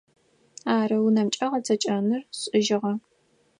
Ары, унэмкӏэ гъэцэкӏэныр сшӏыжьыгъэ.